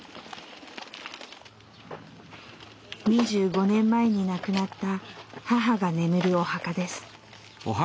２５年前に亡くなった母が眠るお墓です。